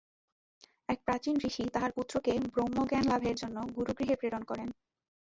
এক প্রাচীন ঋষি তাঁহার পুত্রকে ব্রহ্মজ্ঞানলাভের জন্য গুরুগৃহে প্রেরণ করেন।